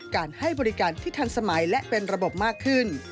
การให้บริการที่ทันสมัยและเป็นระบบมากขึ้น